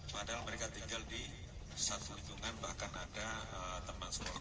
padahal mereka tinggal di satu lingkungan bahkan ada teman seorang